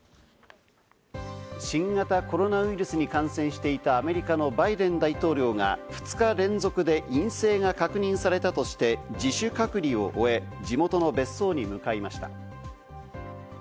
新型コロナウイルスに感染していたアメリカのバイデン大統領が２日連続で陰性が確認されたとして自主隔離を終え、地元の別荘に向かいました。